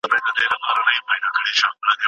عدالت د ټولنې د بقا لامل دی.